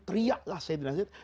teriaklah saidina zaid